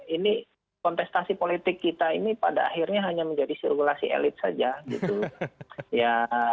ini kontestasi politik kita ini pada akhirnya hanya menjadi sirkulasi elit saja gitu